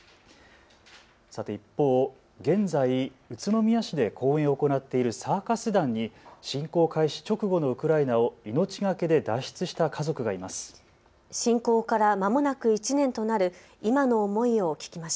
さて一方、現在、宇都宮市で公演を行っているサーカス団に侵攻開始直後のウクライナを命懸けで脱出した家族がいます。